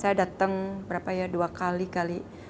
saya datang berapa ya dua kali kali